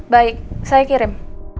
baik saya kirim